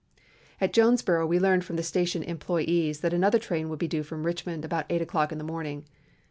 "At Jonesboro we learned from the station employees that another train would be due from Richmond about eight o'clock in the morning.